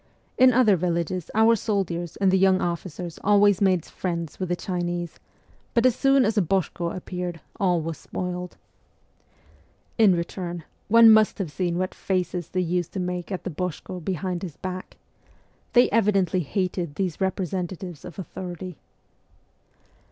In other villages our soldiers and the young officers always made friends with the Chinese, but as soon as a boshko appeared 246 MEMOIRS OF A REVOLUTIONIST all was spoiled. In return, one must have seen what ' faces ' they used to make at the boshkd behind his back ! They evidently hated these representatives of authority.